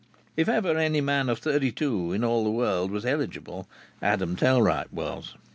If ever any man of thirty two in all this world was eligible, Adam Tellwright was.